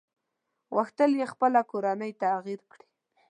غوښتل يې خپله کورنۍ تغيير کړي.